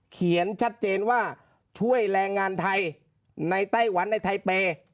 เขียนชัดเจนว่าช่วยแรงงานไทยในไต้หวันในไทเปย์